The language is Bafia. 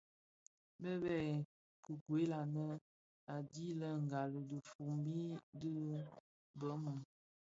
Bi bë nkikuel, anë a dhi bi ghali dhifombi di bëmun.